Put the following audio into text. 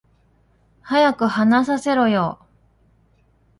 早く話させろよ